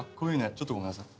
ちょっとごめんなさい。